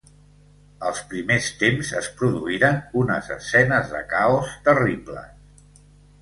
Els primers temps es produïren unes escenes de caos terribles.